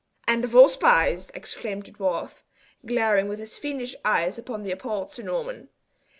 "And of all spies!" exclaimed the dwarf, glaring with his fiendish eyes upon the appalled Sir Norman.